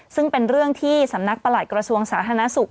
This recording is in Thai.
ซึ่งเป็นเรื่องที่สำนักประหลัดกระทรวงสาธารณสุข